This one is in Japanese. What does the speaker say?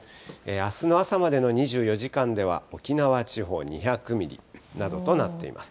あすの朝までの２４時間では、沖縄地方２００ミリなどとなっています。